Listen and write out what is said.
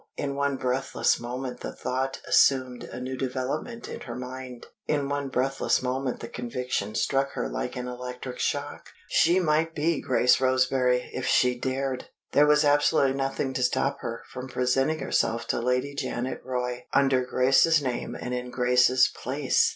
In one breathless moment the thought assumed a new development in her mind. In one breathless moment the conviction struck her like an electric shock. She might be Grace Roseberry if she dared! There was absolutely nothing to stop her from presenting herself to Lady Janet Roy under Grace's name and in Grace's place!